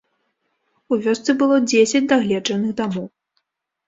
У вёсцы было дзесяць дагледжаных дамоў.